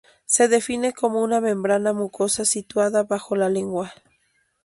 Se define como una membrana mucosa situada bajo la lengua.